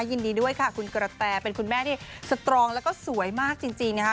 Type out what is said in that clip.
ยินดีด้วยค่ะคุณกระแตเป็นคุณแม่ที่สตรองแล้วก็สวยมากจริงนะคะ